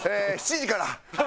７時から。